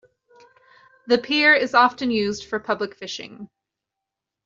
The pier is often used for public fishing.